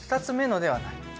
２つ目のではない。